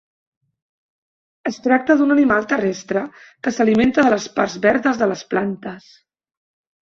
Es tracta d'un animal terrestre que s'alimenta de les parts verdes de les plantes.